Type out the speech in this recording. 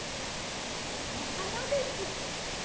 このはなです。